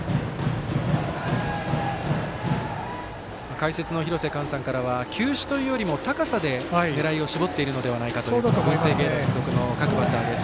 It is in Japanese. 解説の廣瀬寛さんからは球種というよりも高さで狙いを絞っているのではないかという文星芸大付属の各バッターです。